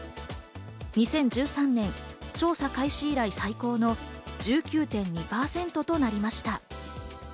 ２０１３年、調査開始以来、最高の１９．２％となりました。